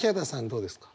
どうですか？